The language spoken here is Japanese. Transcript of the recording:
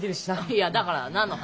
いやだから何の話？